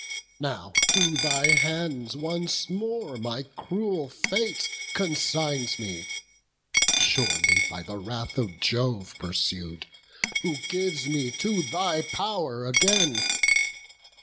Now to thy hands once more my cruel fate Consigns me; surely by the wrath of Jove Pursued, who gives me to thy pow'r again.